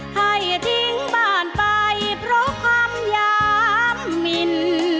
ให้ทิ้งบ้านไปเพราะความยามมิน